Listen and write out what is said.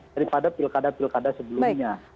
daripada pilkada pilkada sebelumnya